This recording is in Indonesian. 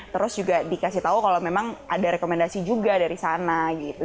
terus juga dikasih tahu kalau memang ada rekomendasi juga dari sana gitu